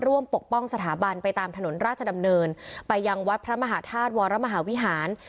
ปกป้องสถาบันไปตามถนนราชดำเนินไปยังวัดพระมหาธาตุวรมหาวิหาร